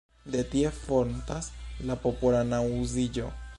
De tie fontas la popola naŭziĝo.